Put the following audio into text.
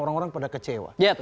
orang orang pada kecewa